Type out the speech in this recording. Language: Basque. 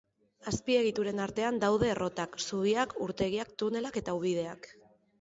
Azpiegituren artean daude errotak, zubiak, urtegiak, tunelak eta ubideak.